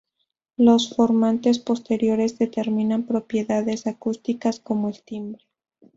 Los formantes posteriores determinan propiedades acústicas como el timbre.